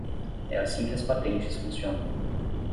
É assim que as patentes funcionam.